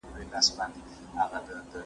که قابله ګانې وي نو میندې نه مري.